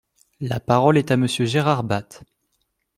La parole est à Monsieur Gérard Bapt.